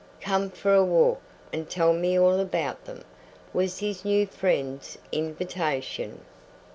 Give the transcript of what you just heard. "Come for a walk, and tell me all about them," was his new friend's invitation.